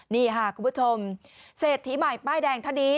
นี่ค่ะคุณผู้ชมเศรษฐีใหม่ป้ายแดงท่านนี้